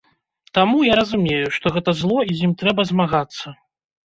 Таму, я разумею, што гэта зло і з ім трэба змагацца.